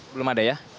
belum ada ya